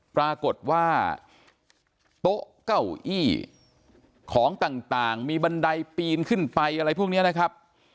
ปรากฏว่าโต๊ะเก้าอี้ของต่างมีบันไดปีนขึ้นไปอะไรพวกนี้นะครับ